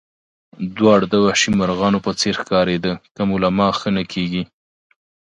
دواړه د وحشي مرغانو په څېر ښکارېدې، که مو له ما ښه نه کېږي.